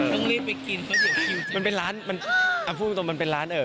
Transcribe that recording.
ต้องรีบไปกินเพราะเดี๋ยวคิวจะโดนเครือ